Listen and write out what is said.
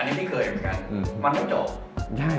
อันนี้พี่เคยเหมือนกัน